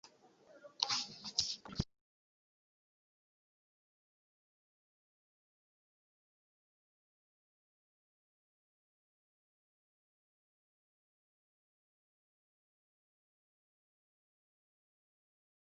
Kiel do li faris tion?